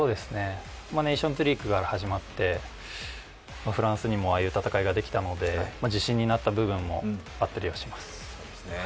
ネーションズリーグから始まってフランスにもああいう戦いができたので自信になった部分もあったりはします。